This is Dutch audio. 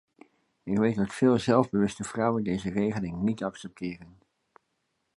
Ik weet dat veel zelfbewuste vrouwen deze regelingen niet accepteren.